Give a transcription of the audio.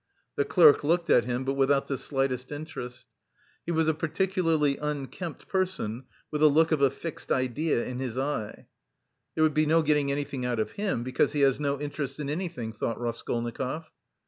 The clerk looked at him, but without the slightest interest. He was a particularly unkempt person with the look of a fixed idea in his eye. "There would be no getting anything out of him, because he has no interest in anything," thought Raskolnikov.